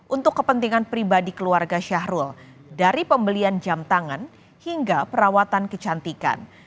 untuk kepentingan pribadi keluarga syahrul dari pembelian jam tangan hingga perawatan kecantikan